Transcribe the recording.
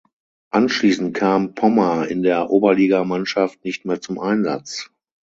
Anschließend kam Pommer in der Oberligamannschaft nicht mehr zum Einsatz.